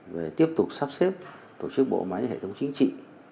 về tiếp tục sắp xếp tổ chức bộ máy hệ thống chính trị